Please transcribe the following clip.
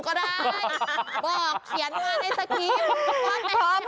เชื่อขึ้นเร็ว